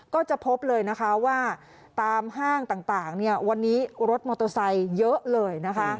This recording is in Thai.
ก็จะพบเลยนะคะว่าตามห้างต่างวันนี้รถมอเตอร์ไซค์เยอะเลยนะคะ